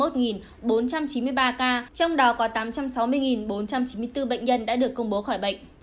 trong đó có tám trăm sáu mươi bốn trăm chín mươi bốn bệnh nhân đã được công bố khỏi bệnh